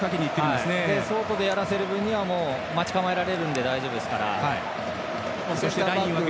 外でやらせる分には待ち構えられるので大丈夫ですから。